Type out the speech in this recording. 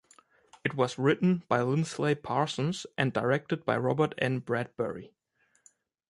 It was written by Lindsley Parsons and directed by Robert N. Bradbury.